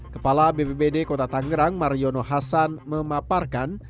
kepala bppd kota tanggerang mariono hasan memaparkan